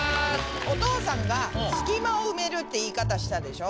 お父さんが「隙間を埋める」って言い方したでしょ？